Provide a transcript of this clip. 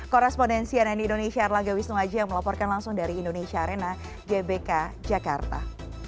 korrespondensi rni indonesia erlangga wisnu aji yang melaporkan langsung dari indonesia arena gbk jakarta